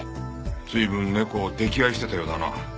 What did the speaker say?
随分猫を溺愛してたようだな。